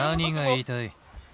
何が言いたい？